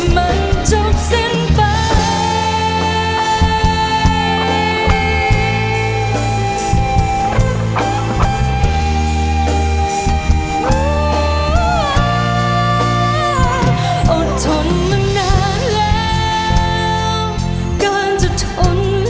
ไม่คิดว่าใครถูก